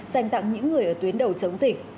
dành tặng những người ở tuyến đầu chống dịch